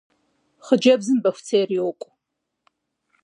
Хъыджэбзым бостейр йокӏу.